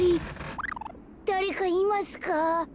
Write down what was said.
だれかいますか？